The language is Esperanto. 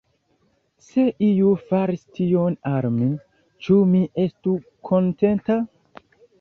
Se iu faris tion al mi, ĉu mi estus kontenta?